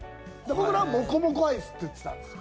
僕らはモコモコアイスって言ってたんですよ。